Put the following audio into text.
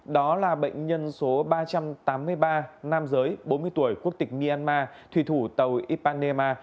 đó là bệnh nhân số ba trăm tám mươi ba nam giới bốn mươi tuổi quốc tịch myanmar thủy thủ tàu ipanema